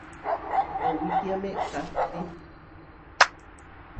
Owítiame kahtí.